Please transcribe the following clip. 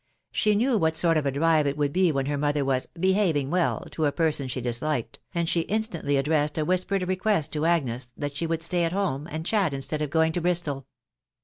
She knew what sort of a drive it would he when her mother was " behaving well" to a person she disliked, and she instantly addressed * whispered request to Agnes that she would stay at home, And chat, instead of going to Bristol.